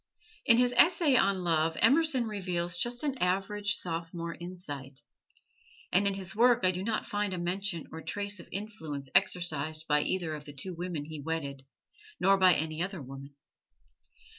In his "Essay on Love" Emerson reveals just an average sophomore insight; and in his work I do not find a mention or a trace of influence exercised by either of the two women he wedded, nor by any other woman.